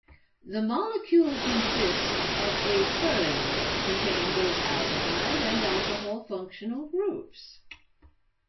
The molecule consists of a furan ring, containing both aldehyde and alcohol functional groups.